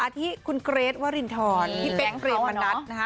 ที่คุณเกรทวรินทรพี่เป๊กเกรมมณัฐนะคะ